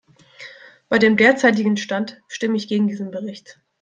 Bei dem derzeitigen Stand stimme ich gegen diesen Bericht.